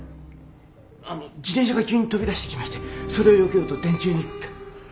あの自転車が急に飛び出してきましてそれをよけようと電柱に。